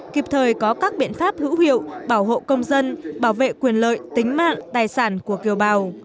kịp thời có các biện pháp hữu hiệu bảo hộ công dân bảo vệ quyền lợi tính mạng tài sản của kiều bào